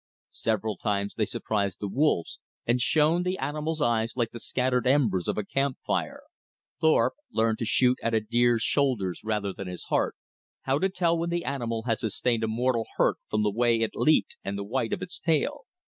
Several times they surprised the wolves, and shone the animals' eyes like the scattered embers of a camp fire. Thorpe learned to shoot at a deer's shoulders rather than his heart, how to tell when the animal had sustained a mortal hurt from the way it leaped and the white of its tail.